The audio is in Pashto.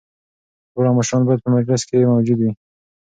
دواړه مشران باید په مجلس کي موجود وي.